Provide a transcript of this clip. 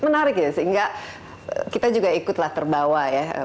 menarik ya sehingga kita juga ikutlah terbawa ya